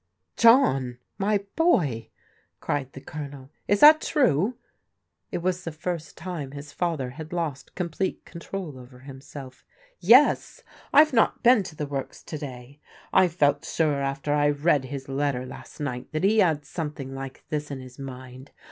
"John, my boy!" cried the Colonel, "is that true?" It was the first time his father had lost complete control over himself. " Yes. I have not been to the works to day. I felt sure after I read his letter last night that he had some thing, like this in his mind.